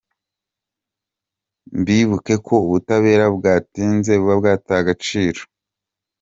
Mwibuke ko ubutabera butinze buba bwataye agaciro.